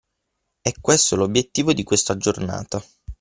E' questo l’obiettivo di questa giornata.